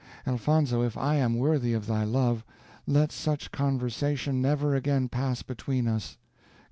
Elfonzo, if I am worthy of thy love, let such conversation never again pass between us.